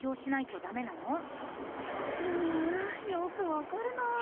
ああよくわかるな。